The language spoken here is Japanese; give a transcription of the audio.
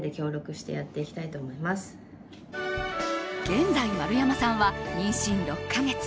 現在、丸山さんは妊娠６か月。